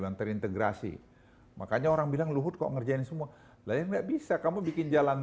yang terintegrasi makanya orang bilang luhut kok ngerjain semua lain nggak bisa kamu bikin jalan